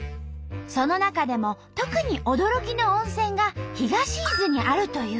その中でも特に驚きの温泉が東伊豆にあるという。